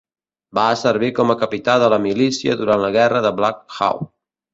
Va servir com a capità de la milícia durant la Guerra de Black Hawk.